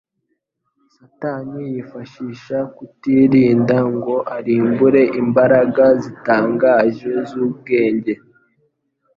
Satani yifashisha kutirinda ngo arimbure imbaraga zitangaje z'ubwenge